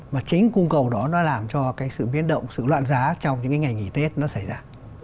mà chính cung cầu đó nó làm cho cái sự biến động sự loạn giá trong những cái ngày nghỉ tết nó xảy ra